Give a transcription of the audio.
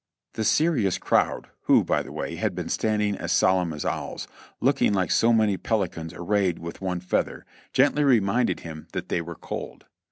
The serious crowd, who, by the way, had been standing as solemn as owls, looking like so many pelicans arrayed with one feather, gently reminded him that they were cold.